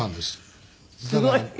すごい。